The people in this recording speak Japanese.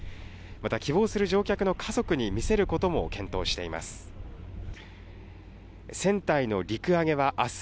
また希望する乗客の家族に見せることも検討しています。